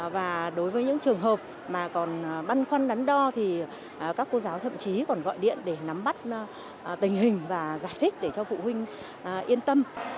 và đối với những trường hợp mà còn băn khoăn nắn đo thì các cô giáo thậm chí còn gọi điện để nắm bắt tình hình và giải thích để cho phụ huynh yên tâm